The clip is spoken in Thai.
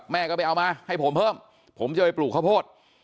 แม่ก็ไปเอามาให้ผมเพิ่มผมจะไปปลูกข้าวโพด